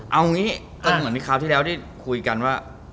เอางี้ก็เหมือนมีคราวที่แล้วได้คุยกันว่า